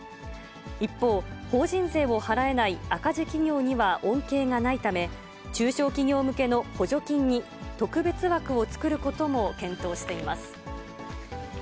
一方、法人税を払えない赤字企業には恩恵がないため、中小企業向けの補助金に、特別枠を作ることも検討しています。